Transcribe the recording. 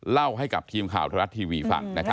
เล่าให้กับทีมข่าวธรรมดาทีวีฟังนะครับ